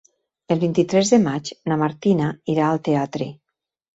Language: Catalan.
El vint-i-tres de maig na Martina irà al teatre.